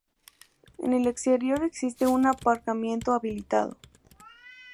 En el exterior existe un aparcamiento habilitado.